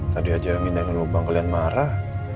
tadi aja yang minta lubang kalian marah